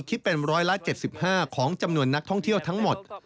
คิดเป็นร้อยละ๗๕ของจำนวนนักท่องเที่ยวทั้งหมด